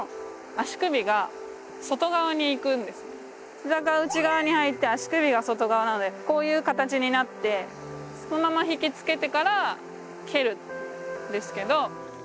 膝が内側に入って足首は外側なのでこういう形になってそのまま引きつけてから蹴るんですけど。